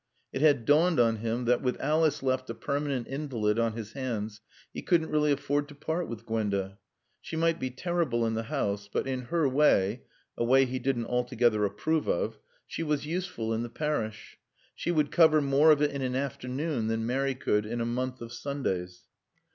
It had dawned on him that, with Alice left a permanent invalid on his hands, he couldn't really afford to part with Gwenda. She might be terrible in the house, but in her way a way he didn't altogether approve of she was useful in the parish. She would cover more of it in an afternoon than Mary could in a month of Sundays.